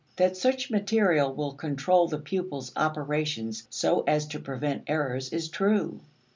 That such material will control the pupil's operations so as to prevent errors is true.